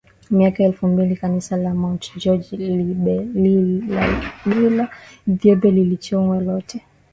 miaka elfu mbili Kanisa la Mt George Lalibela Ethiopia lilichongwa lote